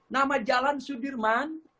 nama jalan sudirman